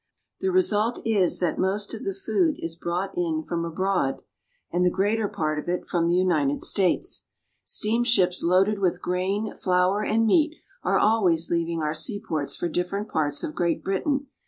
The result is that most of the food is brought in from abroad, and 56 ENGLAND. the greater part of it from the United States. Steamships loaded with grain, flour, and meat are always leaving our seaports for different parts of Great Britain.